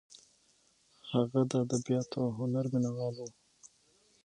هغه د ادبیاتو او هنر مینه وال و.